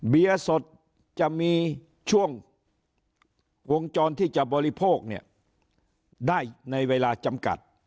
เบียร์สดจะมีช่วงวงจรที่จะบริโภคเนี่ยได้ในเวลาจำกัด